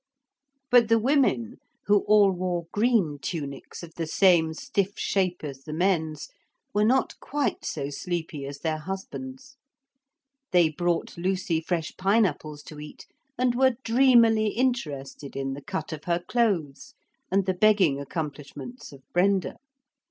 But the women who all wore green tunics of the same stiff shape as the men's were not quite so sleepy as their husbands. They brought Lucy fresh pine apples to eat, and were dreamily interested in the cut of her clothes and the begging accomplishments of Brenda.